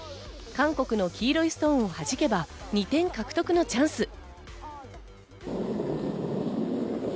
韓国の黄色いストーンをはじけば２点獲得のチャンス。